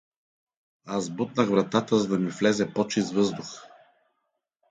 Аз бутнах вратата, за да ми влезе по-чист въздух.